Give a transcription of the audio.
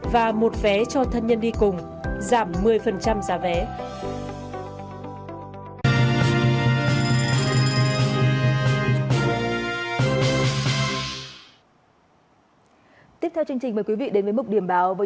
và một vé cho thân nhân đi cùng giảm một mươi giá vé